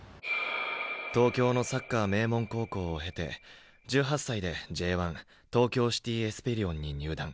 東京のサッカー名門高校を経て１８歳でＪ１東京シティ・エスペリオンに入団。